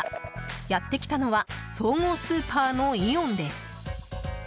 やってきたのは総合スーパーのイオンです。